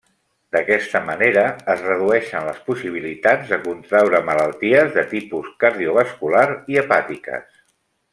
D'aquesta manera es redueixen les possibilitats de contraure malalties de tipus cardiovascular i hepàtiques.